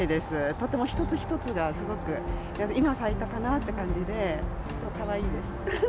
とても一つ一つがすごく、今、咲いたかなって感じで、本当、かわいいです。